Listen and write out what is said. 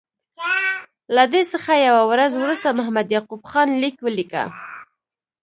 له دې څخه یوه ورځ وروسته محمد یعقوب خان لیک ولیکه.